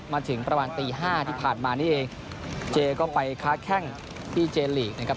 มาถึงประมาณตีห้าที่ผ่านมานี่เองเจก็ไปค้าแข้งที่เจลีกนะครับ